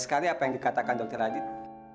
sekali sekali apa yang dikatakan dokter radit